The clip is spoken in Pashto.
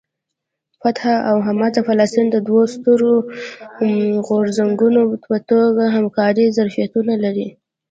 فتح او حماس د فلسطین د دوو سترو غورځنګونو په توګه همکارۍ ظرفیتونه لري.